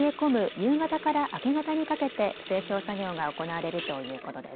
夕方から明け方にかけて製氷作業が行われるということです。